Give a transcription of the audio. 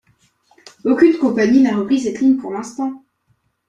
Aucune compagnie n'a repris cette ligne pour l'instant.